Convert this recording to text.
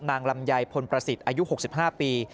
ลำไยพลประสิทธิ์อายุ๖๕ปี